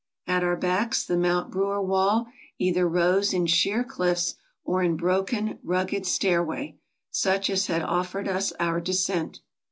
At our backs the Mount Brewer wall either rose in sheer cliffs or in broken, rugged stairway, such as had offered us our descent.